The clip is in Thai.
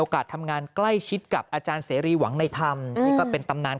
โอกาสทำงานใกล้ชิดกับอาจารย์เสรียหวังในธรรมเป็นตำนาน